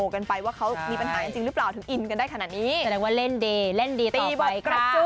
ตีบถกรับจุย